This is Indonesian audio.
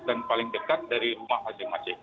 dan paling dekat dari rumah masing masing